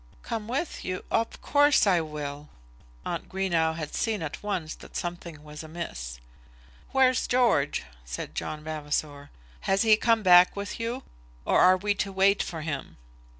"Come with you, of course I will." Aunt Greenow had seen at once that something was amiss. "Where's George?" said John Vavasor. "Has he come back with you, or are we to wait for him?"